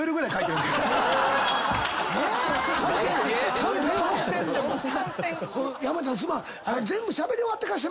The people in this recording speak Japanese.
短編を⁉山ちゃんすまん！